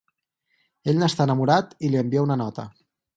Ell n’està enamorat i li envia una nota.